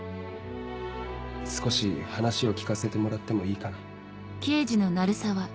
少し話を聞かせてもらってもいいかな？